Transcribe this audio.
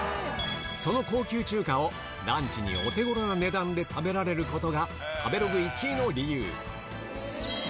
その高級中華をランチにお手ごろな値段で食べられることが食べログ１位の理由。